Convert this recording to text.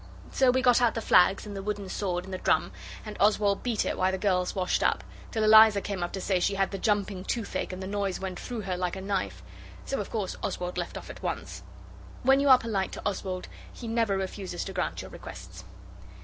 So we got out the flags and the wooden sword and the drum, and Oswald beat it while the girls washed up, till Eliza came up to say she had the jumping toothache, and the noise went through her like a knife. So of course Oswald left off at once. When you are polite to Oswald he never refuses to grant your requests.